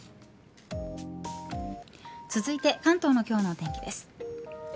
続いて関東の今日の天気です。